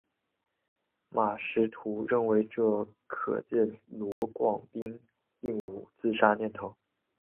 马识途认为这可见罗广斌并无自杀念头。